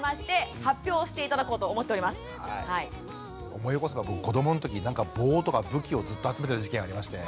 思い起こせば僕子どものときなんか棒とか武器をずっと集めてた時期がありまして。